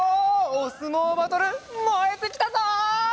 おすもうバトルもえてきたぞ！